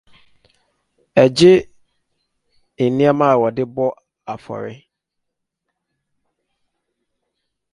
Egye nneɛma a wɔde bɔ afɔre.